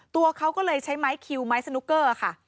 ตัวเขาก็เลยใช้ไม้คิวไม้สนุกเกอร์ค่ะ